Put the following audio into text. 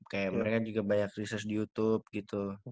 kayak mereka juga banyak research di youtube gitu